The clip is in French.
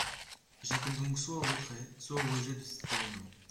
J’appelle donc soit au retrait, soit au rejet de cet amendement.